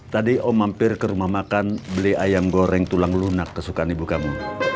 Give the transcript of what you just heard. tadi om mampir ke rumah makan beli ayam goreng tulang lunak kesukaan ibu kamu